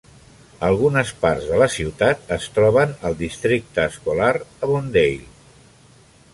Algunes parts de la ciutat es troben al districte escolar Avondale.